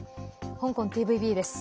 香港ＴＶＢです。